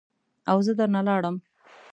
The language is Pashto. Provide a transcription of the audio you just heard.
او زه در نه لاړم.